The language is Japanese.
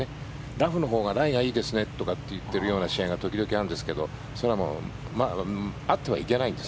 ラフのほうがライがいいですねと言ってるような試合が時々あるんですがそれはあってはいけないんです。